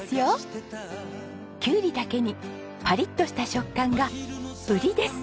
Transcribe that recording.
キュウリだけにパリッとした食感が「ウリ」です。